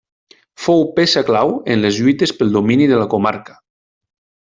Fou peça clau en les lluites pel domini de la comarca.